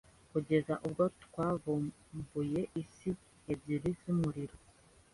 kugeza ubwo tuvumbuye isi ebyiri zumuriro